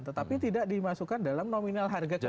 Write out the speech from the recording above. tetapi tidak dimasukkan dalam nominal harga kenaikan pp itu